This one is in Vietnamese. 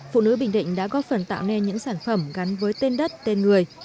phụ nữ bình định đã góp phần tạo nên những sản phẩm gắn với tên đất tên người